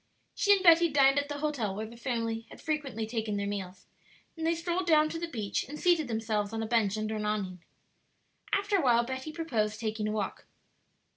She and Betty dined at the hotel where the family had frequently taken their meals, then they strolled down to the beach and seated themselves on a bench under an awning. After a while Betty proposed taking a walk.